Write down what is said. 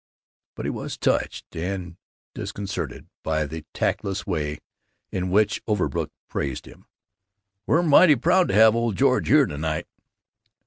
But he was touched, and disconcerted, by the tactless way in which Overbrook praised him: "We're mighty proud to have old George here to night!